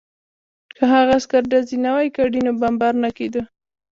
که هغه عسکر ډزې نه وای کړې نو بمبار نه کېده